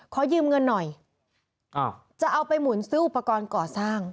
ขอยืมเงินหน่อยจะเอาไปหมุนซื้ออุปกรณ์ก่อสร้าง